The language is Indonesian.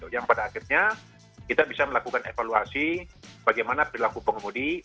yang pada akhirnya kita bisa melakukan evaluasi bagaimana perilaku pengemudi